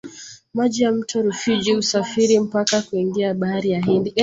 maji ya mto rufiji husafiri mpaka kuingia bahari ya hindi